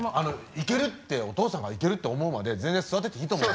いけるってお父さんがいけると思うまで全然ずっと座ってていいと思う。